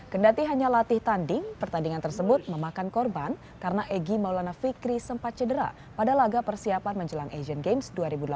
kendati hanya latih tanding pertandingan tersebut memakan korban karena egy maulana fikri sempat cedera pada laga persiapan menjelang asian games dua ribu delapan belas